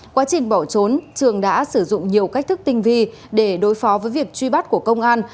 quá trình bỏ trốn trường đã sử dụng nhiều cách thức tinh vi để đối phó với việc truy bắt của công an